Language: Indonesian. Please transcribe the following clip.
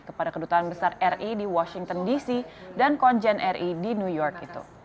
kepada kedutaan besar ri di washington dc dan konjen ri di new york itu